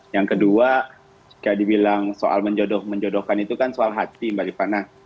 yang kedua jika dibilang soal menjodoh menjodohkan itu kan soal hati mbak rifana